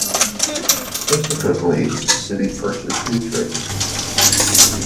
Subsequently, the city purchased new trains.